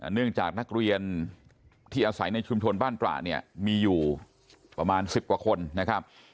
เนื่องจากนักเรียนที่อาศัยในชุมชนบ้านตระเนี่ยมีอยู่ประมาณ๑๐กว่าคนนะครับ